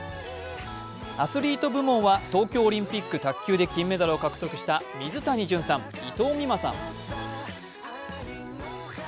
アスリート部門は東京オリンピック金メダルを獲得した水谷隼さん、伊藤美誠さん。